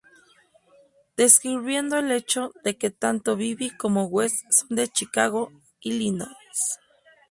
Describiendo el hecho de que tanto Bibby como West son de Chicago, Illinois.